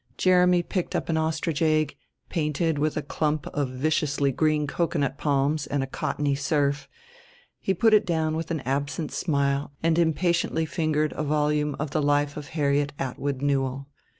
Jeremy picked up an ostrich egg, painted with a clump of viciously green coconut palms and a cottony surf; he put it down with an absent smile and impatiently fingered a volume of "The Life of Harriet Atwood Newell."